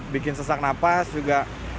bikin sesak nafas juga